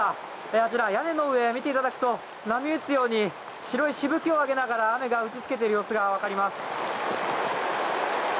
あちら屋根の上見ていただくと波打つように白いしぶきを上げながら雨が打ちつけている様子がわかります。